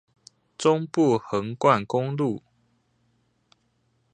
中部橫貫公路